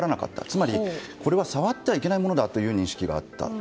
つまり、これは触ってはいけないものだという認識があったと。